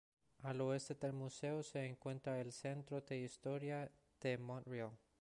Al oeste del museo se encuentra el centro de historia de Montreal.